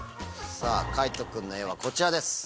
海人君の絵はこちらです。